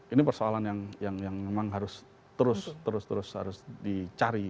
ini persoalan yang memang harus terus terus harus dicari